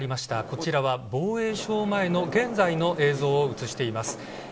こちらは防衛省前の現在の映像を映しています。